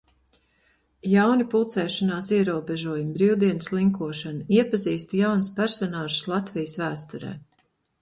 Jauni pulcēšanās ierobežojumi. Brīvdienu slinkošana. Iepazīstu jaunus personāžus Latvijas vēsturē.